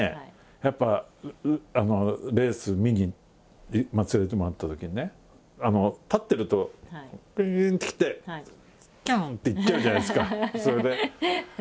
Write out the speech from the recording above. やっぱレース見に連れて行ってもらったときにね立ってるとピュンって来てキュンって行っちゃうじゃないですかそれで。